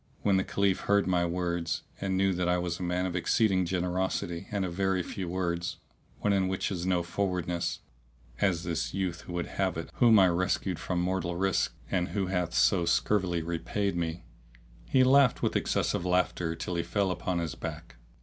When the Caliph heard my words and knew that I was a man of exceeding generosity and of very few words, one in whom is no forwardness (as this youth would have it whom I rescued from mortal risk and who hath so scurvily repaid me), he laughed with excessive laughter till he fell upon his back.